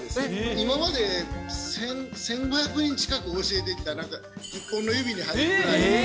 今まで１５００人近く教えてきた中、１０本の指に入るぐらい。